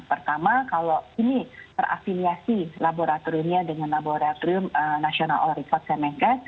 pertama kalau ini terafiliasi laboratoriumnya dengan laboratorium national all report kemenkes